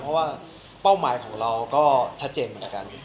เพราะว่าเป้าหมายของเราก็ชัดเจนเหมือนกัน